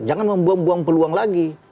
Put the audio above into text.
jangan membuang buang peluang lagi